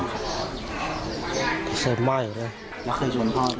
ตอนนั้นเขาก็เลยรีบวิ่งออกมาดูตอนนั้นเขาก็เลยรีบวิ่งออกมาดู